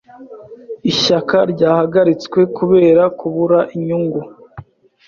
Ishyaka ryahagaritswe kubera kubura inyungu.